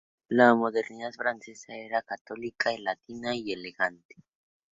La modernidad francesa era católica, latina y elegante.